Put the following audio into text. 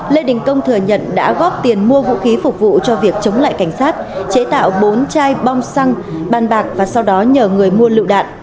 lê đình công thừa nhận đã góp tiền mua vũ khí phục vụ cho việc chống lại cảnh sát chế tạo bốn chai bom xăng bàn bạc và sau đó nhờ người mua lựu đạn